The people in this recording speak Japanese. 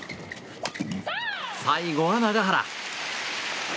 最後は永原。